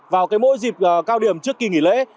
vào mỗi dịp cao điểm trước kỳ nghỉ lễ